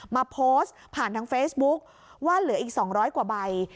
มาโพสต์ผ่านทางเฟซบุ๊คว่าเหลืออีก๒๐๐กว่าใบ